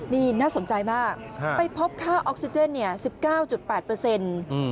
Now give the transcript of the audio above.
นี่น่าสนใจมากไปพบค่าออกซิเจน๑๙๘